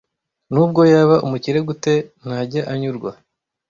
Nubwo yaba umukire gute, ntajya anyurwa.